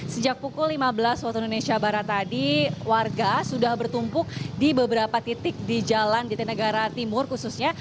sejak pukul lima belas waktu indonesia barat tadi warga sudah bertumpuk di beberapa titik di jalan jatinegara timur khususnya